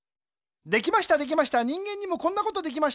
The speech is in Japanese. できましたできました人間にもこんなことできました。